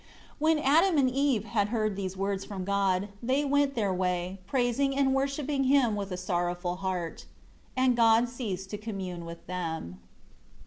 3 When Adam and Eve had heard these words from God, they went their way; praising and worshipping Him with a sorrowful heart. 4 And God ceased to commune with them.